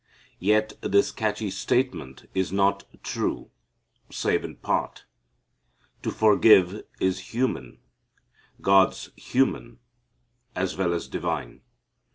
Yet this catchy statement is not true, save in part. To forgive is human God's human as well as divine.